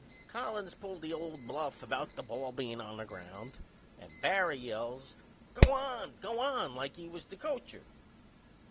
Collins pulled the old bluff about the ball bein' on the ground and Barry yells, "Go on! Go on!" like he was the coacher.